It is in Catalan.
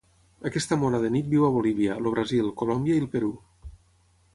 Aquesta mona de nit viu a Bolívia, el Brasil, Colòmbia i el Perú.